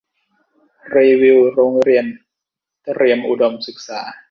รีวิวโรงเรียนเตรียมอุดมศึกษา